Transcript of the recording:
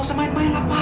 loh semain main lah pa